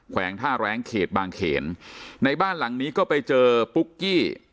วงท่าแรงเขตบางเขนในบ้านหลังนี้ก็ไปเจอปุ๊กกี้